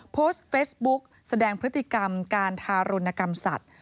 โพสต์เฟซบุ๊กแสดงพฤติกรรมการทารุณกรรมสัตว์